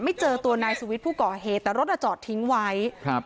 เจอตัวนายสุวิทย์ผู้ก่อเหตุแต่รถอ่ะจอดทิ้งไว้ครับ